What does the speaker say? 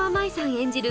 演じる